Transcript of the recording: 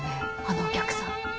あのお客さん。